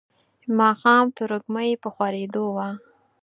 ماښام تروږمۍ په خورېدو وه.